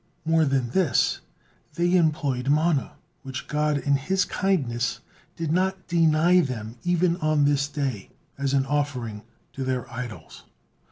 More than this, they employed manna, which God in His kindness did not deny them even on this day, as an offering to their idols.